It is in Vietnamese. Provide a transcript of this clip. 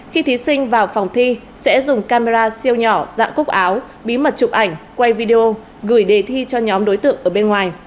khi thí sinh vào phòng thi sẽ dùng camera siêu nhỏ dạng cúc áo bí mật chụp ảnh quay video gửi đề thi cho nhóm đối tượng ở bên ngoài